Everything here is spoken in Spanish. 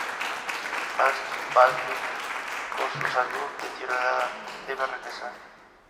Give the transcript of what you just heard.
Mas Baldwin, con su salud deteriorada, debe regresar.